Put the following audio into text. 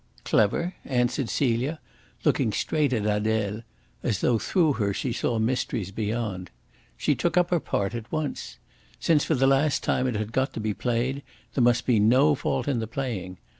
"Clever?" answered Celia, looking straight at Adele, as though through her she saw mysteries beyond. She took up her part at once. Since for the last time it had got to be played, there must be no fault in the playing.